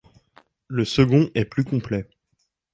Le second est plus complet.